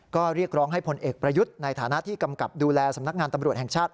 ก็เรียกร้องให้ผลเอกประยุทธ์ในฐานะที่กำกับดูแลสำนักงานตำรวจแห่งชาติ